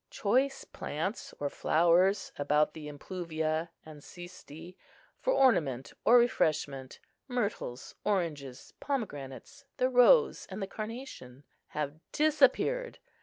Choice plants or flowers about the impluvia and xysti, for ornament or refreshment, myrtles, oranges, pomegranates, the rose and the carnation, have disappeared.